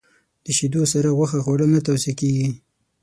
د شیدو سره غوښه خوړل نه توصیه کېږي.